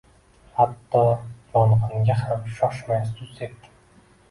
Hatto yong’inga ham shoshmay suv sepgin.